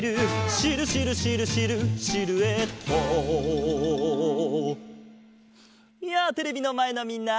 「シルシルシルシルシルエット」やあテレビのまえのみんな！